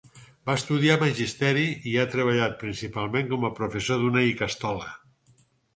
Va estudiar Magisteri i ha treballat principalment com a professor d'una ikastola.